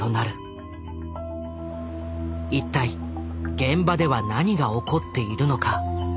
一体現場では何が起こっているのか？